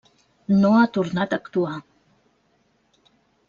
No ha tornat a actuar.